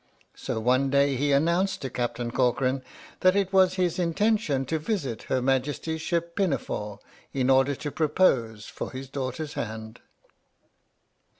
So one day he announced to Captain Corcoran that it was his intention to visit Her Majesty's Ship Pinafore in order to propose for his daughter's hand.